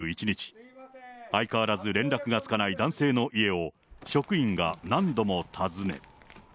そして迎えた先月２１日、相変わらず連絡がつかない男性の家を、職員が何度も訪ね。